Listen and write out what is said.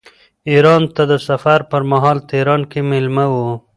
ایران ته د سفر پرمهال تهران کې مېلمه و.